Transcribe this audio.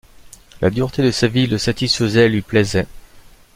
La dureté de sa vie le satisfaisait et lui plaisait.